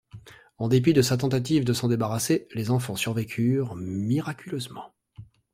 En dépit de sa tentative de s'en débarrasser, les enfants survécurent miraculeusement.